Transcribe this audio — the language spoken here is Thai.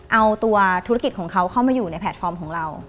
เอาตัวธุรกิจของเขาเข้ามาอยู่ในแพลตฟอร์มของเรา